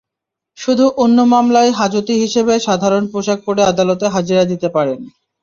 শুধু অন্য মামলায় হাজতি হিসেবে সাধারণ পোশাক পরে আদালতে হাজিরা দিতে পারেন।